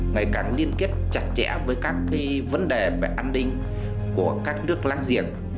ngày càng liên kết chặt chẽ với các vấn đề về an ninh của các nước láng giềng